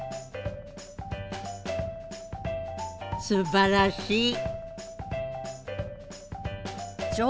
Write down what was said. すばらしい。